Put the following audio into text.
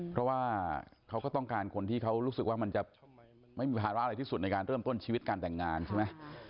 เพราะว่าเขาก็ต้องการคนที่เขารู้สึกว่ามันจะไม่มีภาระอะไรที่สุดในการเริ่มต้นชีวิตการแต่งงานใช่ไหม